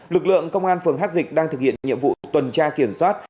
lực lượng công an phường hát dịch đang thực hiện nhiệm vụ tuần tra kiểm soát